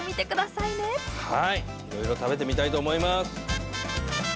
いろいろ食べてみたいと思います。